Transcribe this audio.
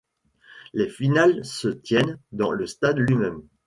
Les finales se tiennent dans le stade lui-même.